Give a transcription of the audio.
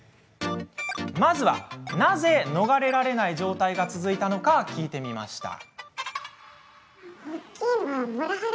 まずは、なぜ逃れられない状態が続いたのか聞いてみました。